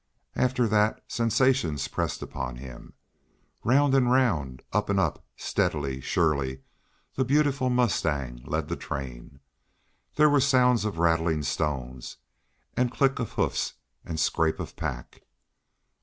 After that sensations pressed upon him. Round and round, up and up, steadily, surely, the beautiful mustang led the train; there were sounds of rattling stones, and click of hoofs, and scrape of pack.